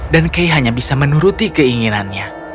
dan kay hanya bisa menuruti keinginannya